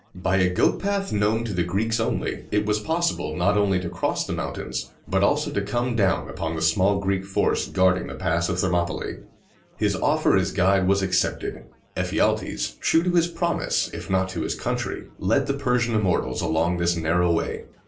By a goat path known to the Greeks only, it was possible not only to cross the mountains, but also to come down upon the small Greek force guarding the Pass of Thermopylæ. His offer as guide was accepted. Ephialtes, true to his promise, if not to his country, led the Persian Immortals along this narrow way.